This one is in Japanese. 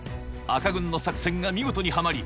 赤軍の作戦が見事にはまり